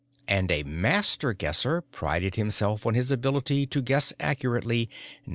And a Master Guesser prided himself on his ability to guess accurately 99.